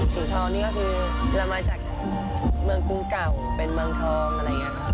ละชาวสีทองมาจากเมืองกรุงเก่าและเป็นเมืองทอง